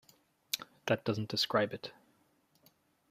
That doesn't describe it.